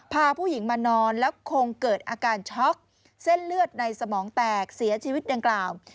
พาผู้หญิงมานอนแล้วคงเกิดอาการช็อกเส้นเลือดในสมองแตกเสียชีวิตดังกล่าว